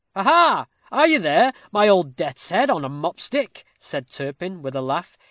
"Ha, ha! Are you there, my old death's head on a mop stick?" said Turpin, with a laugh.